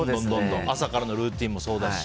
朝からのルーティンもそうだし。